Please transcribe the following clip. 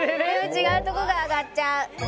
ちがうとこが上がっちゃう。